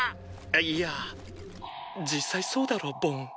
いや実際そうだろボン。